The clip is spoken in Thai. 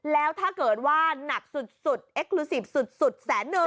แล้วถ้าเกิดว่าหนักสุดเอ็กคลูซิฟสุดแสนนึง